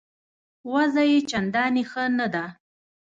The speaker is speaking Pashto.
وضع یې چنداني ښه نه ده.